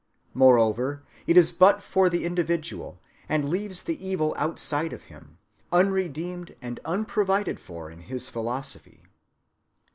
Moreover it is but for the individual; and leaves the evil outside of him, unredeemed and unprovided for in his philosophy.